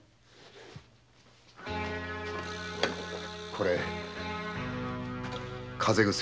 これ風邪薬です。